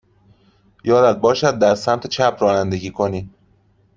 یادت باشد در سمت چپ رانندگی کنی.